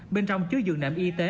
bên trong chứa dường nệm y tế